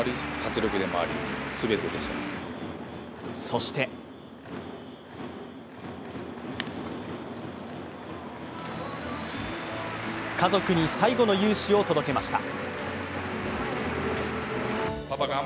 そして家族に最後の雄姿を届けました。